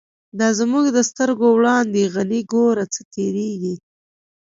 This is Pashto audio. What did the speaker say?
دا زمونږ د سترگو وړاندی «غنی» گوره څه تیریږی